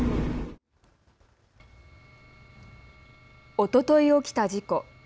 おととい起きた事故。